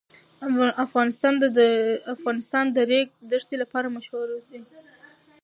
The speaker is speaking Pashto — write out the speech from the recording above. افغانستان د د ریګ دښتې لپاره مشهور دی.